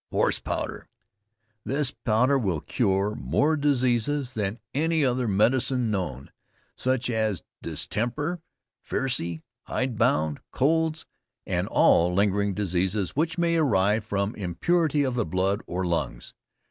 HORSE POWDER. This powder will cure more diseases than any other medicine known; such as Distemper, Fersey, Hidebound, Colds, and all lingering diseases which may arise from impurity of the blood or lungs.